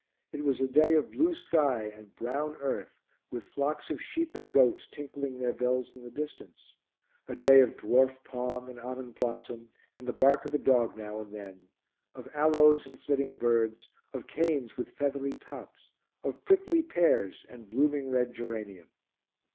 It was a day of blue sky and brown earth, with flocks of sheep and goats tinkling their bells in the distance; a day of dwarf palm and almond blossom, and the bark of a dog now and then; of aloes and flitting birds, of canes with feathery tops, of prickly pears and blooming red geranium.